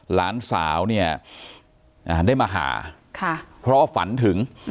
หลานสาวเนี่ยได้มาหาเพราะฝันถึง